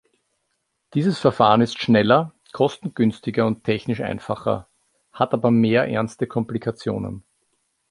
Dieses Verfahren ist schneller, kostengünstiger und technisch einfacher, hat aber mehr ernste Komplikationen.